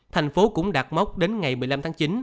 thành phố cũng đạt mốc đến ngày một mươi năm tháng chín